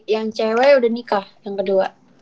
yang cewek udah nikah yang kedua